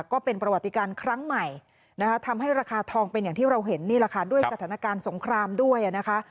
ก็เป็นประวัติการครั้งใหม่นะคะทำให้ราคาทองเป็นอย่างที่เราเห็นนี่แหละค่ะด้วยสถานการณ์สงครามด้วยนะคะ